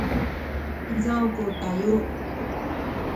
izaw ku tayu